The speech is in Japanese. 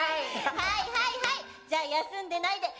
はいはいはいじゃあ休んでないで練習よ！